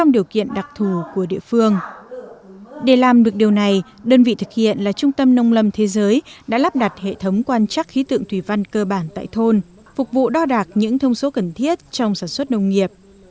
để làm được điều này đơn vị thực hiện là trung tâm nông lâm thế giới đã lắp đặt hệ thống quan trắc khí tượng thủy văn cơ bản tại thôn phục vụ đo đạc những thông số cần thiết trong sản xuất nông nghiệp